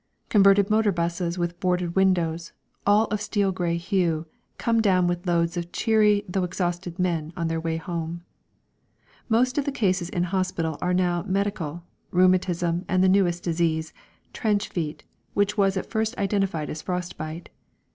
Converted motor buses with boarded windows, all of steel grey hue, come down with loads of cheery though exhausted men on their way home. Most of the cases in hospital are now medical, rheumatism and the newest disease, "trench feet," which was at first identified as frost bite.